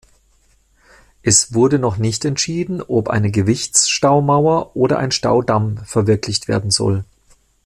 Es wurde noch nicht entschieden, ob eine Gewichtsstaumauer oder ein Staudamm verwirklicht werden soll.